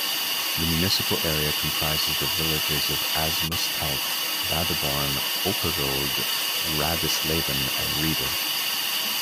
The municipal area comprises the villages of Asmusstedt, Badeborn, Opperode, Radisleben, and Rieder.